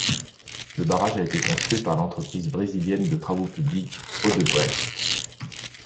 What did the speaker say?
Le barrage a été construit par l'entreprise brésilienne de travaux publics Odebrecht.